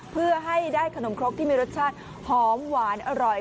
เพื่อให้ได้ขนมครกที่มีรสชาติหอมหวานอร่อย